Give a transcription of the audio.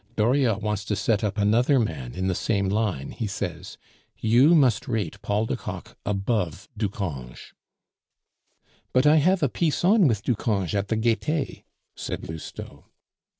Dauriat wants to set up another man in the same line, he says. You must rate Paul de Kock above Ducange." "But I have a piece on with Ducange at the Gaite," said Lousteau.